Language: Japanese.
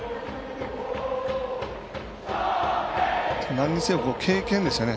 なんにせよ経験ですよね。